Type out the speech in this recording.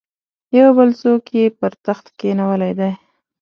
یو بل څوک یې پر تخت کښېنولی دی.